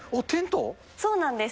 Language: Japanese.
そうなんです。